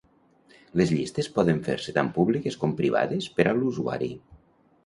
Les llistes poden fer-se tant públiques com privades per a l'usuari.